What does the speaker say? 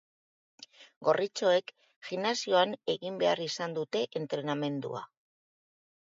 Gorritxoek gimnasioan egin behar izan dute entrenamendua.